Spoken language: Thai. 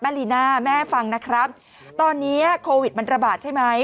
ลีน่าแม่ฟังนะครับตอนนี้โควิดมันระบาดใช่ไหม